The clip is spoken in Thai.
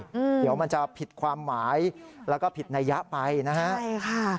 เดี๋ยวมันจะผิดความหมายแล้วก็ผิดนัยยะไปนะฮะใช่ค่ะ